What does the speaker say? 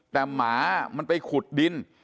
แต่หมามันไปขุดดิน